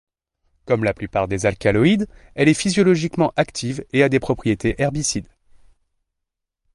Comme la plupart des alcaloïdes, elle est physiologiquement active et a des propriétés herbicides.